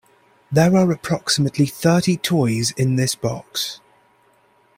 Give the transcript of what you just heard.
There are approximately thirty toys in this box.